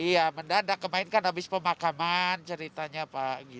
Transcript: iya mendadak kemarin kan habis pemakaman ceritanya pak